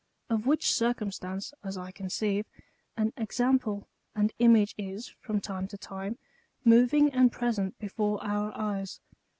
Of which circumstance, as I conceive,^ an example and image is, from time to time, moving and present before our eyes.